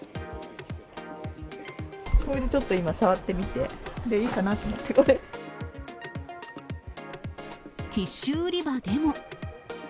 これでちょっと、今、触ってみて、ティッシュ売り場でも。